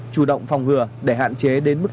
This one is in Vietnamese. chủ động phòng ngừa để hạn chế đến mức tài lợn